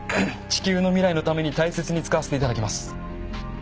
地球の未来のために大切に使わせて頂きます。